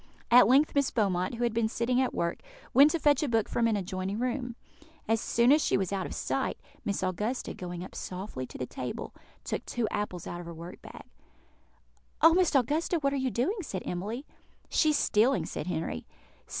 At length Miss Beaumont, who had been sitting at work, went to fetch a book from an adjoining room. As soon as she was out of sight, Miss Augusta, going softly up to the table, took two apples out of her work bag. "Oh, Miss Augusta, what are you doing?" said Emily. "She is stealing," said Henry.